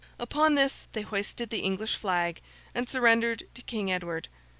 Upon this they hoisted the English flag, and surrendered to King Edward.